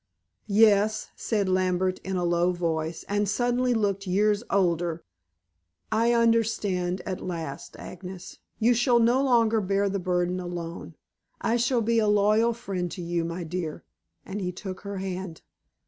"Yes," said Lambert in a low voice, and suddenly looked years older. "I understand at last, Agnes. You shall no longer bear the burden alone. I shall be a loyal friend to you, my dear," and he took her hand.